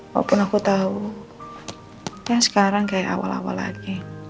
walaupun aku tau ya sekarang kayak awal awal lagi